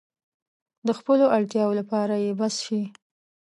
د خپلو اړتیاوو لپاره يې بس شي.